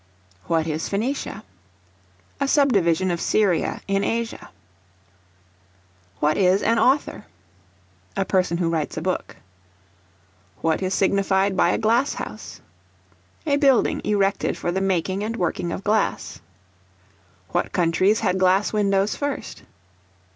What is Phenicia? A sub division of Syria in Asia. What is an author? A person who writes a book. What is signified by a glass house? A building erected for the making and working of glass. What countries had glass windows first?